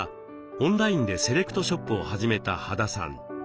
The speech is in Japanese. オンラインでセレクトショップを始めた羽田さん。